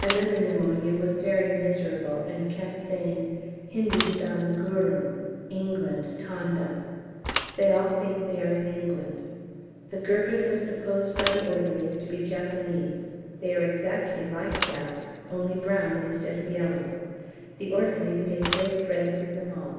Another pneumonia was very miserable, and kept saying, "Hindustan gurrum England tanda." They all think they are in England. The Gurkhas are supposed by the orderlies to be Japanese. They are exactly like Japs, only brown instead of yellow. The orderlies make great friends with them all.